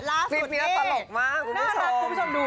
ล่าสุดนี้น่ารักกูไม่ชมดู